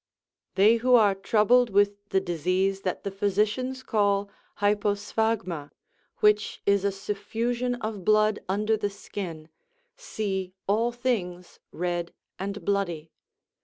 They who are troubled with the disease that the physicians call hyposphagma which is a suffusion of blood under the skin see all things red and bloody.